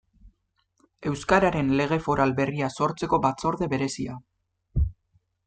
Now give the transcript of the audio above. Euskararen Lege Foral berria sortzeko batzorde berezia.